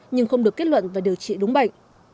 nhưng không được kết luận và điều trị đúng bệnh